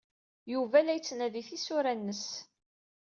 Yuba la yettnadi tisura-nnes.